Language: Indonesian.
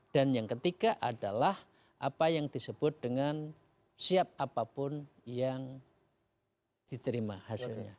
dan yang ketiga adalah apa yang disebut dengan siap apapun yang diterima hasilnya